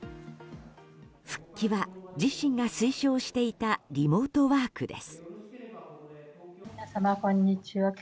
復帰は、自身が推奨していたリモートワークです。